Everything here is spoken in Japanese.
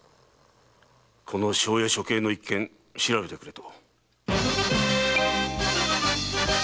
この庄屋処刑の一件調べてくれと。